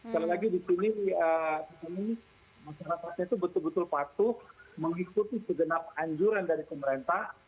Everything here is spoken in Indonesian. sekali lagi di sini masyarakatnya itu betul betul pasuh mengikuti segenap anjuran dari pemerintah